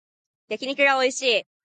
焼き肉がおいしい